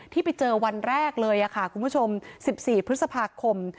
ที่ไปเจอวันแรกเลยค่ะคุณผู้ชม๑๔พฤษภาคม